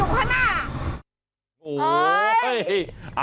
โถ่โหไม่โดนหน่าเลยค่ะ